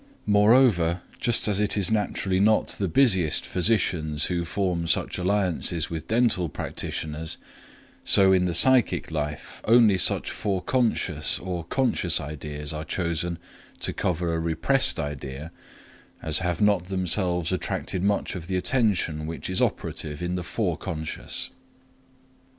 Moreover, just as it is naturally not the busiest physicians who form such alliances with dental practitioners, so in the psychic life only such foreconscious or conscious ideas are chosen to cover a repressed idea as have not themselves attracted much of the attention which is operative in the foreconscious.